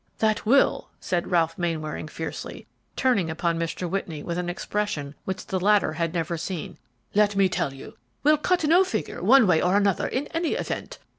"That will," said Ralph Mainwaring, fiercely, turning upon Mr. Whitney with an expression which the latter had never seen, "let me tell you, will cut no figure one way or another in any event.